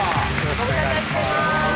ご無沙汰してます